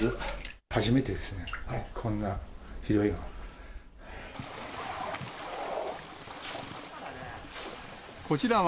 初めてですね、こんなひどいのは。